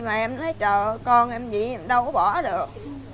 mà em nói trời ơi con em gì em đâu có bỏ được